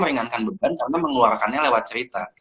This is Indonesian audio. meringankan beban karena mengeluarkannya lewat cerita